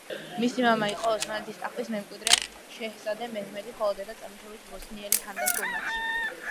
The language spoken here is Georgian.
მისი მამა იყო ოსმალეთის ტახტის მემკვიდრე შეჰზადე მეჰმედი, ხოლო დედა წარმოშობით ბოსნიელი ჰანდან სულთანი.